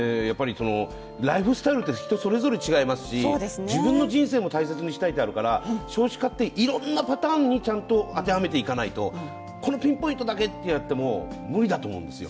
ライフスタイルって人それぞれ違いますし自分の人生も大切にしたいというのがあるから少子化っていろんなパターンにちゃんと当てはめていかないとこのピンポイントだけとやっても無理だと思うんですよ。